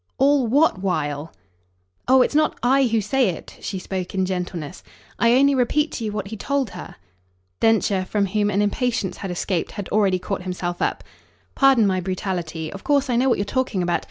"All WHAT while?" "Oh it's not I who say it." She spoke in gentleness. "I only repeat to you what he told her." Densher, from whom an impatience had escaped, had already caught himself up. "Pardon my brutality. Of course I know what you're talking about.